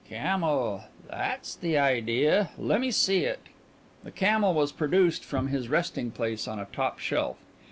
"Camel. That's the idea. Lemme see it." The camel was produced from his resting place on a top shelf.